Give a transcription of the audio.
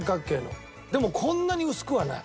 でもこんなに薄くはない。